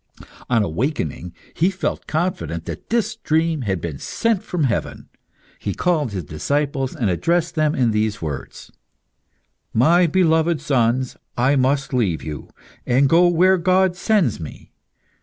On awaking, he felt confident that this dream had been sent from heaven. He called his disciples, and addressed them in these words "My beloved sons, I must leave you, and go where God sends me.